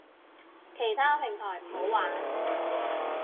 其他平台唔好玩